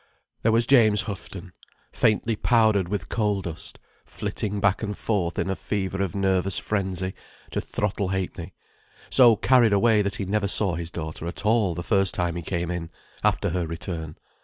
There was James Houghton, faintly powdered with coal dust, flitting back and forth in a fever of nervous frenzy, to Throttle Ha'penny—so carried away that he never saw his daughter at all the first time he came in, after her return.